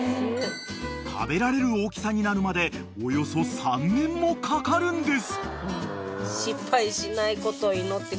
［食べられる大きさになるまでおよそ３年もかかるんです］